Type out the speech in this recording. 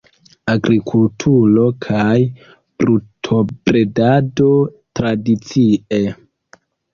Agrikulturo kaj brutobredado tradicie.